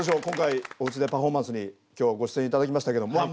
今回「おうちでパフォーマンス」に今日はご出演頂きましたけど。